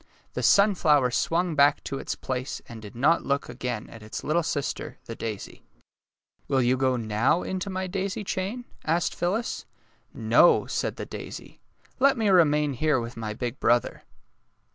The sunflower swung back to its place and did not look again at its little sister, the daisy. ^' Will you go now into my daisy chain? " asked Phyllis. '' No," said the daisy, ^* let me remain here with my big brother."